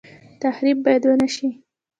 تخریب باید ونشي